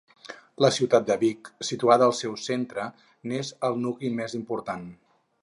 La ciutat de Vic, situada al seu centre, n'és el nucli més important.